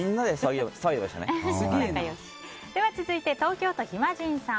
続いて、東京都の方。